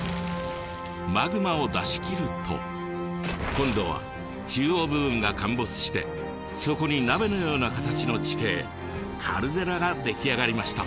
マグマを出しきると今度は中央部分が陥没してそこに鍋のような形の地形カルデラが出来上がりました。